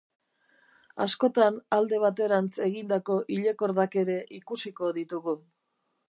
Askotan alde baterantz egindako ilekordak ere ikusiko ditugu.